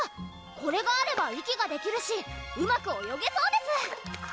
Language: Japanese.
これがあれば息ができるしうまく泳げそうです